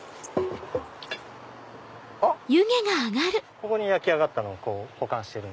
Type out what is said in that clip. ここに焼き上がったのを保管してる。